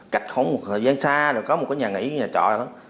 cạch không một thời gian xa có một cái nhà nghỉ ở nhà trọ đó